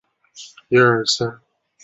索伊恩是德国巴伐利亚州的一个市镇。